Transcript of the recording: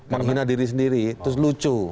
membina diri sendiri terus lucu